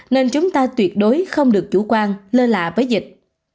nên chúng ta tuyệt đối không được chủ quan lơ lạ với dịch